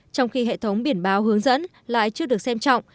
trong khi hệ thống biển báo hướng dẫn lại chưa được xem trọng